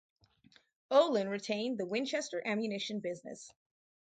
Olin retained the Winchester ammunition business.